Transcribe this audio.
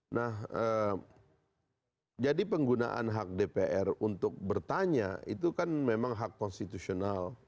nah jadi penggunaan hak dpr untuk bertanya itu kan memang hak konstitusional